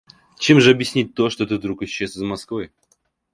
Чем же объяснить то, что ты вдруг исчез из Москвы?